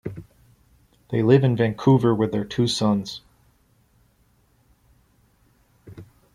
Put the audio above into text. They live in Vancouver with their two sons.